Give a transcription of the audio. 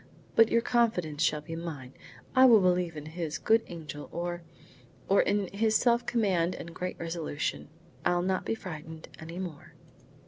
"But your confidence shall be mine. I will believe in his good angel or or in his self command and great resolution. I'll not be frightened any more."